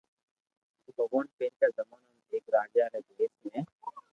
ڀگوان پيرڪا زمانو ۾ ايڪ راجا ري ڀيس ۾